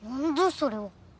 それは。